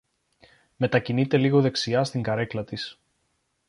μετακινείται λίγο δεξιά στην καρέκλα της